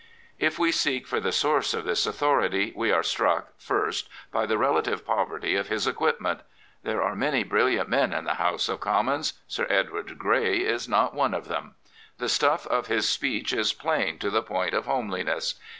If we seek for the source of this authority, we are struck, first, by the relative poverty of his equipment. There are many brilliant men in the House of Com mons: Sir Edward Grey is not one of them. The stuff pf bis speech is piaih to the point of homeliness.